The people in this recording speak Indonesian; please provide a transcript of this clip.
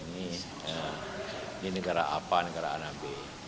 ini negara apa negara anak b